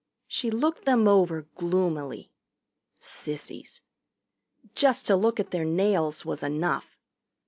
She looked them over gloomily. Sissies. Just to look at their nails was enough.